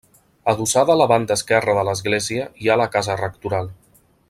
Adossada a la banda esquerra de l'església hi ha la casa rectoral.